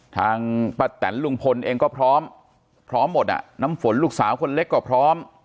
ทางป้าแตนลุงพลเองก็พร้อมพร้อมหมดอ่ะน้ำฝนลูกสาวคนเล็กก็พร้อม